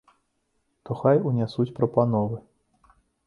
То хай унясуць прапановы!